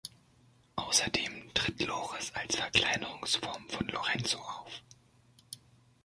Außerdem tritt Loris als Verkleinerungsform von Lorenzo auf.